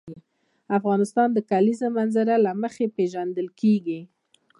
افغانستان د د کلیزو منظره له مخې پېژندل کېږي.